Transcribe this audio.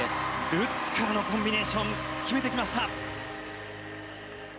ルッツからのコンビネーション決めてきました。